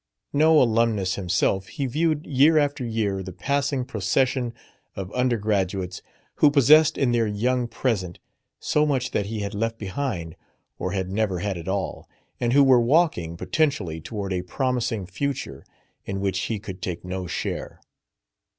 No alumnus himself, he viewed, year after year, the passing procession of undergraduates who possessed in their young present so much that he had left behind or had never had at all, and who were walking, potentially, toward a promising future in which he could take no share.